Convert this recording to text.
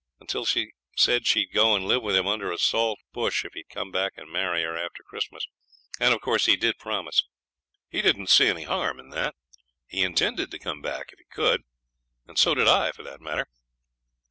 until she said she'd go and live with him under a salt bush if he'd come back and marry her after Christmas. And of course he did promise. He didn't see any harm in that. He intended to come back if he could, and so did I for that matter.